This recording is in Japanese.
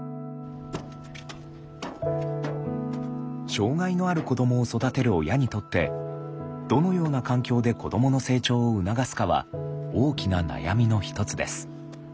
障害のある子どもを育てる親にとってどのような環境で子どもの成長を促すかは大きな悩みの一つです。